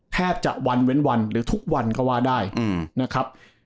แทบจะวันเว้นวันหรือทุกวันก็ว่าได้นะครับ